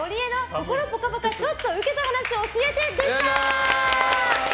心ぽかぽかちょっとウケた話教えてでした。